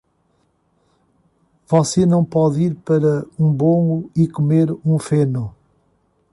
Você não pode ir para um bolo e comer um feno.